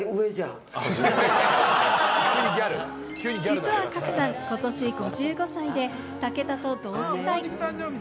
実はカクさん、ことし５５歳で武田と同年代。